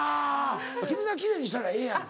君が奇麗にしたらええやんか。